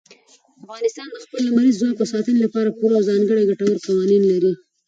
افغانستان د خپل لمریز ځواک د ساتنې لپاره پوره او ځانګړي ګټور قوانین لري.